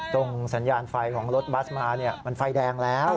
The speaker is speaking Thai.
สัญญาณไฟของรถบัสมามันไฟแดงแล้ว